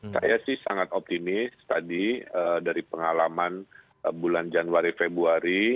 saya sih sangat optimis tadi dari pengalaman bulan januari februari